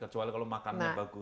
kecuali kalau makannya bagus